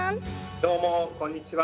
どうもこんにちは。